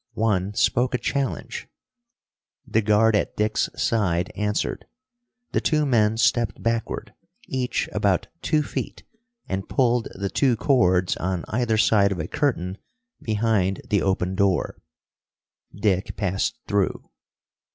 One spoke a challenge. The guard at Dick's side answered. The two men stepped backward, each about two feet, and pulled the two cords on either side of a curtain behind the open door. Dick passed through.